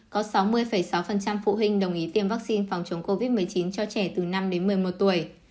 có sáu mươi sáu phụ huynh đồng ý tiêm vaccine phòng chống covid một mươi chín cho trẻ từ năm đến một mươi một tuổi